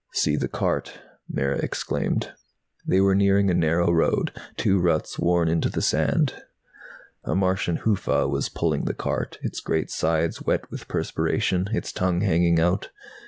"See the cart!" Mara exclaimed. They were nearing a narrow road, two ruts worn into the sand. A Martian hufa was pulling the cart, its great sides wet with perspiration, its tongue hanging out.